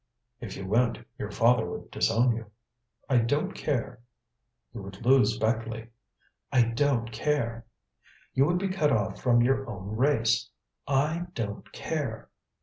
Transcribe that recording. "If you went, your father would disown you." "I don't care." "You would lose Beckleigh." "I don't care." "You would be cut off from your own race." "I don't care."